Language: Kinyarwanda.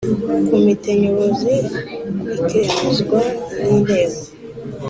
Komite Nyobozi bikemezwa n Inteko